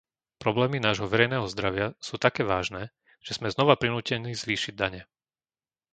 Problémy nášho verejného zdravia sú také vážne, že sme znova prinútení zvýšiť dane.